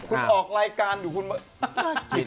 คุณออกรายการเดี๋ยวคุณมากิดอีก